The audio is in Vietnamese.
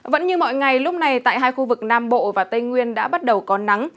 vẫn như mọi ngày lúc này tại hai khu vực nam bộ và tây nguyên